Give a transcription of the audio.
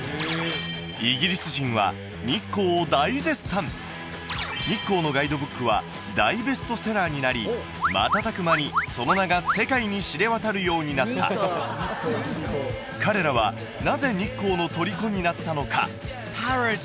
イギリス人は日光を大絶賛日光のガイドブックは大ベストセラーになり瞬く間にその名が世界に知れ渡るようになった彼らはなぜ日光のとりこになったのか？